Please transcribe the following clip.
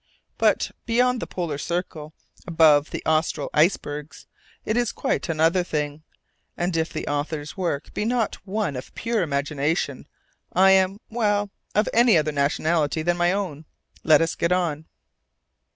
But, beyond the polar circle, above the austral icebergs, it is quite another thing, and, if the author's work be not one of pure imagination, I am well, of any other nationality than my own. Let us get on.